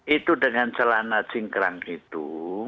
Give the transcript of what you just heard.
itu dengan celana cingkrang itu